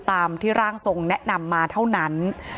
ตามที่ร่างทรงแนะนำมาเท่านั้น